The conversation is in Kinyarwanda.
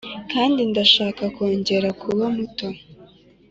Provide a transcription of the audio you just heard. kandi ndashaka kongera kuba muto.